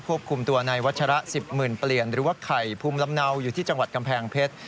คุมตัวในวัชระ๑๐หมื่นเปลี่ยนหรือว่าไข่ภูมิลำเนาอยู่ที่จังหวัดกำแพงเพชร